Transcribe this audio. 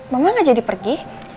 mama gak jadi pergi